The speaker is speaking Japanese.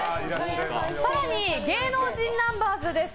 更に、芸能人ナンバーズです。